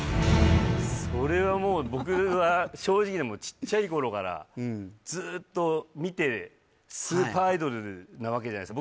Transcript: それはもう僕は正直なちっちゃい頃からずっと見てスーパーアイドルなわけじゃないす